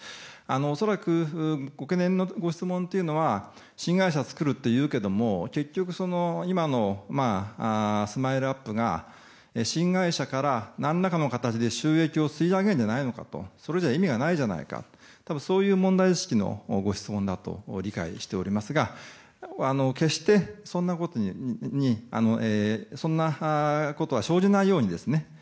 恐らく、ご懸念のご質問というのは新会社を作るというけれども結局、今のＳＭＩＬＥ‐ＵＰ．が新会社から何らかの形で収益を吸い上げるんじゃないかとそれじゃ意味がないじゃないかとそういう問題意識のご質問だと理解しておりますが決してそんなことは生じないように「日本製鉄中！」